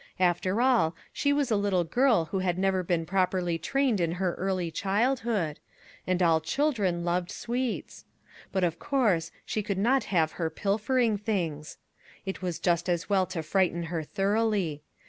After all, she was a little girl who had never been properly trained in her early childhood; and all chil 81 MAG AND MARGARET dren loved sweets; but, of course, she could not have her pilfering things. It was just as well to frighten her thoroughly.